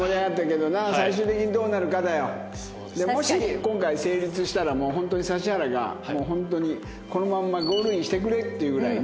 でもし今回成立したらもうホントに指原がもうホントにこのまんまゴールインしてくれっていうぐらいね。